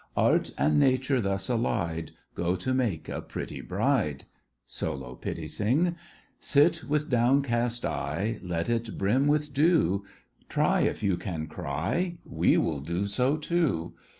Art and nature, thus allied, Go to make a pretty bride. SOLO—PITTI SING. Sit with downcast eye Let it brim with dew— Try if you can cry— We will do so, too.